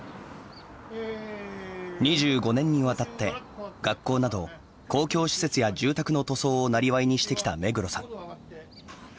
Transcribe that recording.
２５年にわたって学校など公共施設や住宅の塗装をなりわいにしてきた目黒さん。